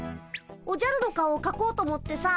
おじゃるの顔をかこうと思ってさ。